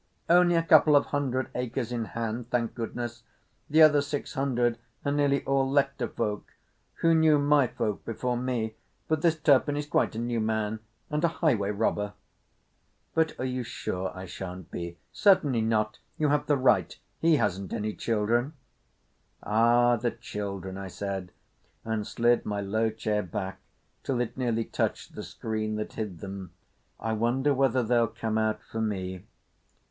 "Only a couple of hundred acres in hand, thank goodness. The other six hundred are nearly all let to folk who knew my folk before me, but this Turpin is quite a new man—and a highway robber." "But are you sure I sha'n't be——?" "Certainly not. You have the right. He hasn't any children." "Ah, the children!" I said, and slid my low chair back till it nearly touched the screen that hid them. "I wonder whether they'll come out for me."